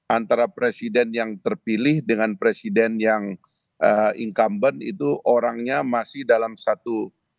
antara presiden yang terpilih dengan presiden yang incumbent itu orangnya masih dalam satu